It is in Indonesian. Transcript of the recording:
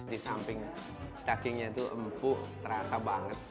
di samping dagingnya itu empuh terasa banget